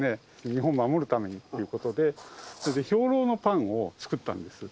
日本を守るためにっていう事で兵糧のパンを作ったんです。